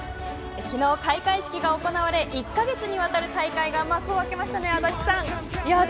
昨日、開会式が行われ１か月にわたる大会が幕を開けましたね、足立さん。